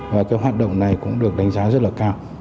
và cái hoạt động này cũng được đánh giá rất là cao